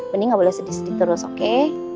bening gak boleh sedih sedih terus oke